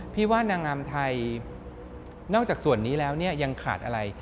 พี่ว่านางงามไทยนอกจากส่วนนี้แล้วเนี่ยยังขาดอะไร